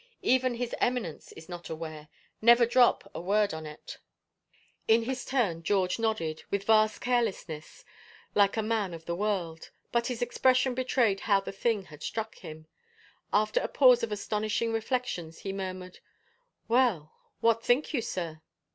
Even his Emi nence is not aware. Never drop a word on't." 1 20 SECOND THOUGHTS In his turn George nodded, with vast carelessness like a man of the world. But his expression betrayed how the thing had struck him. After ^ pause of astonishing reflections he murmured, "Well, what think you, sir?"